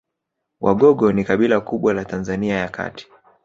Wagogo ni kabila kubwa la Tanzania ya kati